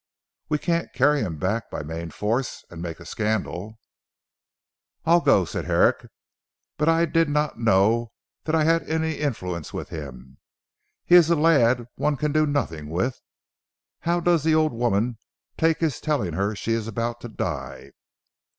We can't carry him back by main force and make a scandal." "I'll go," said Herrick, "but I did not know that I had any influence with him. He is a lad one can do nothing with. How does the old woman take his telling her she is about to die."